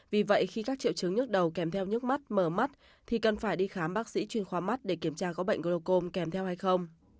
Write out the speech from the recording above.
vì vậy khi các triệu chứng nhức đầu kèm theo nhốt mắt mở mắt thì cần phải đi khám bác sĩ chuyên khoa mắt để kiểm tra có bệnh glocom kèm theo hay không